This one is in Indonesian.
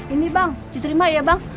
ini bang diterima ya bang